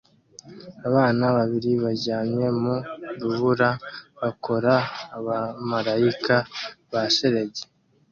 Abana babiri baryamye mu rubura bakora abamarayika ba shelegi